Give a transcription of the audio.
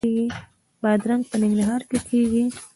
بادرنګ په ننګرهار کې کیږي